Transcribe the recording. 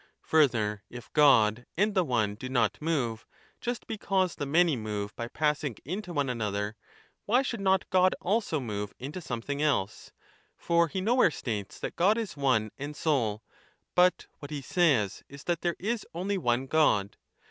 Further, if God and the One do not move, just because 979 a the Many move by passing into one another, why should not God also move into something else ? For he nowhere states that God is one and sole, but what he says is that there is only one God.